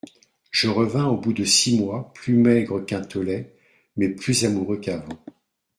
Je revins au bout de six mois, plus maigre qu'un tolet, mais plus amoureux qu'avant.